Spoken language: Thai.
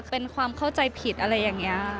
เป็นความเข้าใจผิดอะไรอย่างนี้